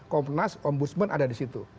komnas ombudsman ada disitu